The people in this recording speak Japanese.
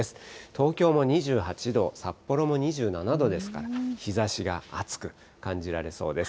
東京も２８度、札幌も２７度ですから、日ざしが暑く感じられそうです。